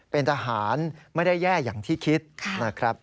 เป็นทหารไม่ได้แย่อย่างที่คิดนะครับ